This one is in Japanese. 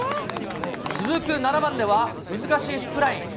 続く７番では、難しいフックライン。